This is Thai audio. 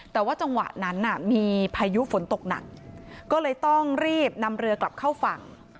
แต่ว่าจังหวะนั้นมีพายุฝนตกหนักก็เลยต้องรีบนำเรือกลับเข้าฝั่ง